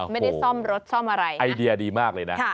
ไม่ได้ซ่อมรถซ่อมอะไรไอเดียดีมากเลยนะ